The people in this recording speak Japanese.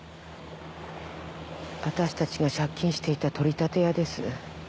私たちが借金していた取り立て屋です。